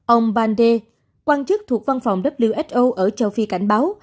ông bande quan chức thuộc văn phòng who ở châu phi cảnh báo